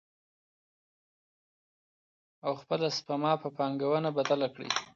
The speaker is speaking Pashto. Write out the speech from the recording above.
او خپله سپما په پانګونه بدله کړو.